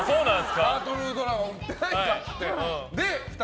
タートルドラゴン売ってないかって言って。